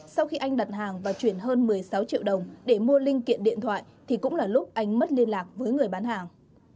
sau khi anh đặt hàng và chuyển hơn một mươi sáu triệu đồng để mua linh kiện điện thoại thì cũng là lúc anh mất liên lạc với người bán hàng